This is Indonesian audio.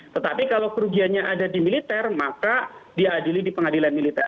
tetapi kalau kerugiannya ada di militer maka diadili di pengadilan militer